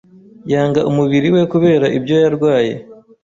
Yanga umubiri we kubera ibyo yarwaye